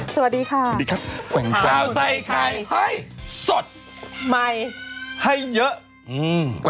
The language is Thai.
สวัสดีค่ะ